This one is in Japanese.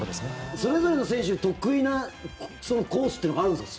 それぞれの選手得意なコースというのがあるんですか？